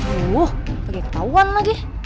aduh pake ketauan lagi